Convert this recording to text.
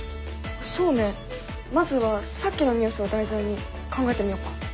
そうねまずはさっきのニュースを題材に考えてみよっか。